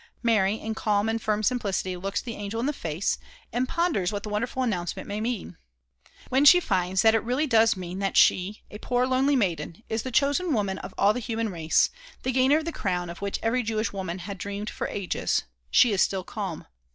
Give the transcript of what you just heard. Mary, in calm and firm simplicity, looks the angel in the face, and ponders what the wonderful announcement may mean. When she finds that it really does mean that she, a poor lonely maiden, is the chosen woman of all the human race the gainer of the crown of which every Jewish woman had dreamed for ages she is still calm.